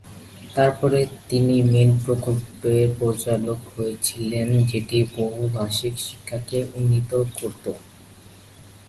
তারপরে, তিনি এরপর মেইন প্রকল্পের পরিচালক হয়েছিলেন সেটি বহুভাষিক শিক্ষাকে উন্নীত করতো।